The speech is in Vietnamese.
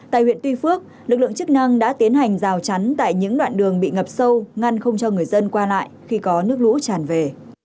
tại huyện tuy phước lực lượng chức năng đã tiến hành rào chắn tại những đoạn đường bị ngập sâu ngăn không cho người dân qua lại khi có nước lũ tràn về